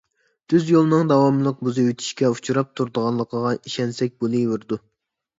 تۈز يولنىڭ داۋاملىق بۇزۇۋېتىشكە ئۇچراپ تۇرۇدىغانلىقىغا ئىشەنسەك بولىۋېرىدۇ.